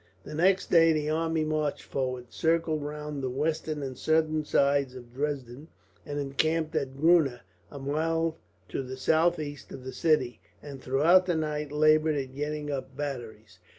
The next day the army marched forward, circled round the western and southern sides of Dresden, and encamped at Gruna, a mile to the southeast of the city; and throughout the night laboured at getting up batteries.